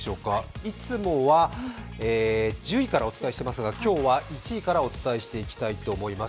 いつもは１０位からお伝えしていますが、今日は、１位からお伝えしていきたいと思います。